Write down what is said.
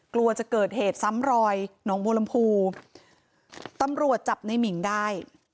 กลัวจะเกิดเหตุซ้ำรอยหนองบัวลำพูตำรวจจับในหมิ่งได้